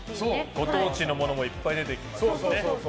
ご当地のものもいっぱい出てきましたね。